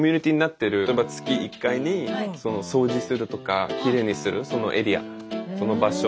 例えば月１回掃除するとかきれいにするそのエリアその場所。